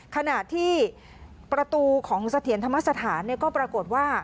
ขณะที่ประตูของเสถียรธรรมสถานก็ปรากฏว่า